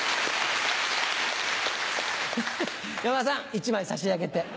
山田さん１枚差し上げて。